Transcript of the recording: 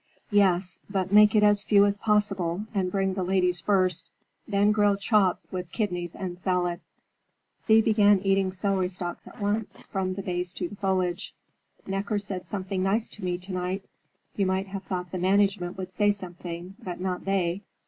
"Yes, but make it as few as possible, and bring the lady's first. Then grilled chops with kidneys, and salad." Thea began eating celery stalks at once, from the base to the foliage. "Necker said something nice to me tonight. You might have thought the management would say something, but not they."